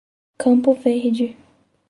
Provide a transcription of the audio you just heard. Campo Verde